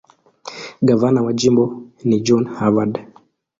Gavana wa jimbo ni John Harvard.